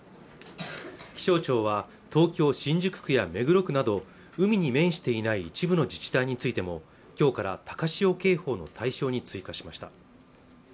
気象庁は東京新宿区や目黒区など海に面していない一部の自治体についても今日から高潮警報の対象に追加しました